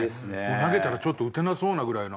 投げたらちょっと打てなそうなぐらいの。